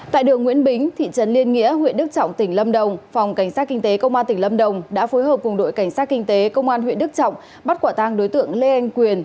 tại đường nguyễn bính thị trấn liên nghĩa huyện đức trọng tỉnh lâm đồng phòng cảnh sát kinh tế công an tỉnh lâm đồng đã phối hợp cùng đội cảnh sát kinh tế công an huyện đức trọng bắt quả tang đối tượng lê anh quyền